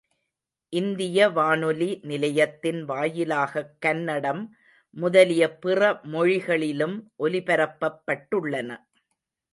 இந்திய வானொலி நிலையத்தின் வாயிலாகக் கன்னடம் முதலிய பிறமொழிகளிலும் ஒலிபரப்பப்பட்டுள்ளன.